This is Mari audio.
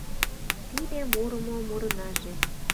Тиде мурымо мурынаже